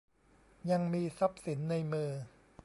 ยังมีทรัพย์สินในมือ